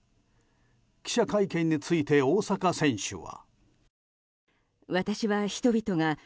記者会見について大坂選手は。